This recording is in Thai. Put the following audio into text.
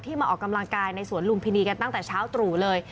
มาออกกำลังกายในสวนลุมพินีกันตั้งแต่เช้าตรู่เลย